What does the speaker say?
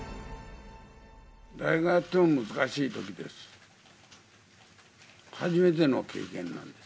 誰がやっても難しいときです。